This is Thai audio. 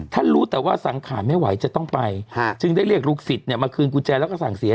รู้แต่ว่าสังขารไม่ไหวจะต้องไปจึงได้เรียกลูกศิษย์เนี่ยมาคืนกุญแจแล้วก็สั่งเสีย